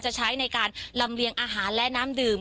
ใช้ในการลำเลียงอาหารและน้ำดื่ม